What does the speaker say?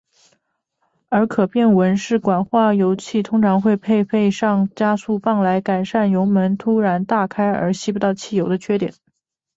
而可变文氏管化油器通常会配备上加速泵来改善油门突然大开而吸不到汽油的缺点。